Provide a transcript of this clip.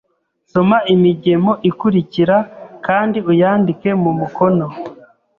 Soma imigemo ikurikira kandi uyandike mu mukono